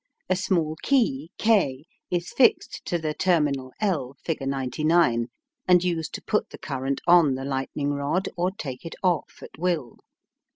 A small key K is fixed to the terminal l (figure 99), and used to put the current on the lightning rod, or take it off at will.